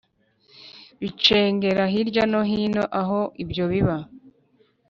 bicengera hirya no hino aho ibyo biba